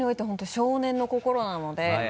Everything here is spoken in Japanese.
少年の心なので。